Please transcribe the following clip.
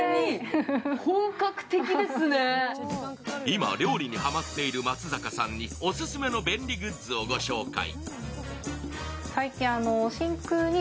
今、料理にハマっている松坂さんにオススメの便利グッズをご紹介。